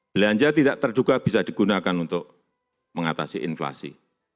belanja tidak terduga bisa digunakan untuk mengatasi inflasi